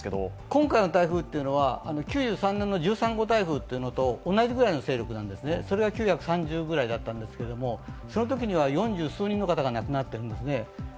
今回の台風というのは９３年の１３号台風と同じぐらいの勢力なんですね、それが９３０ぐらいだったんですけどそのときには四十数人の方が亡くなっているんですね。